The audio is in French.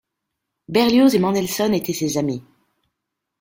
Berlioz et Mendelssohn étaient ses amis.